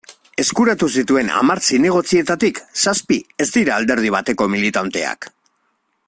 Eskuratu zituen hamar zinegotzietatik, zazpi ez dira alderdi bateko militanteak.